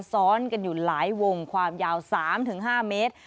ซ้อนกันอยู่หลายวงความยาว๓๕เมตร